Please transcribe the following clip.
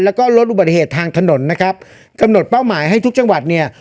แล้วก็ลดอุบัติเหตุทางถนนนะครับกำหนดเป้าหมายให้ทุกจังหวัดเนี่ย